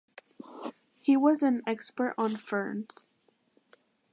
He was an expert on ferns.